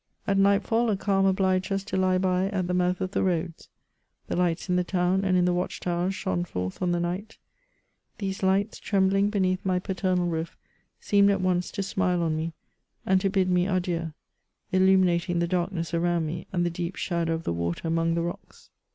At nightfall a calm obliged us to lie by at the mouth of the roads; the lights in the town and in the watch towers shone forth on the night ; these lights, trembling beneath my paternal roof, seemed at once to smile on me, and to bid me adieu, illuminating the darkness around me, and the deep shadow of the water among the rocks.